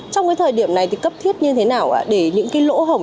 trong cái thời điểm này thì cấp thiết như thế nào để những cái lỗ hồng